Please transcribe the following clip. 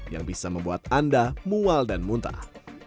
yang bisa membuat anda mual dan muntah